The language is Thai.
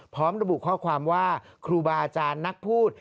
พร้อมระบุข้อความว่าครูบาอาจารย์นักพูด